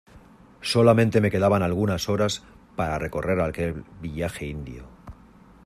solamente me quedaban algunas horas para recorrer aquel villaje indio.